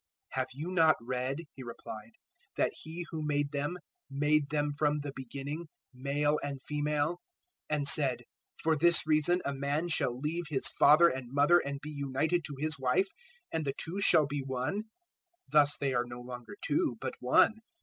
019:004 "Have you not read," He replied, "that He who made them `made them' from the beginning `male and female, 019:005 and said, For this reason a man shall leave his father and mother and be united to his wife, and the two shall be one'? 019:006 Thus they are no longer two, but `one'!